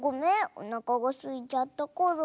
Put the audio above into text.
おなかがすいちゃったから。